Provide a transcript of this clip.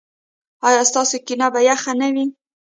ایا ستاسو کینه به یخه نه وي؟